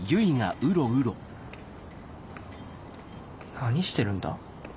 何してるんだ？